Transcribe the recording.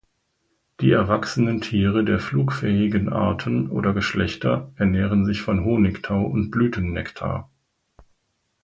Die erwachsenen Tiere der flugfähigen Arten oder Geschlechter ernähren sich von Honigtau und Blütennektar.